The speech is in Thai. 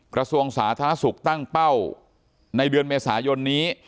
กระทรวงสาธารณสุขตั้งเป้าในเดือนเมษายนนี้